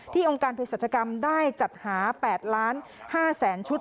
ที่องค์การพฤษฎกรรมได้จัดหา๘๕๐๐๐๐๐ชุด